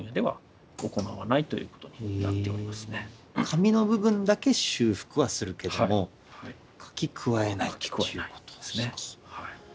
紙の部分だけ修復はするけども書き加えないということですね。